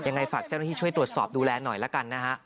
ยังไงฝากเจ้าหน้าที่ช่วยตรวจสอบดูแลหน่อยละกันนะฮะ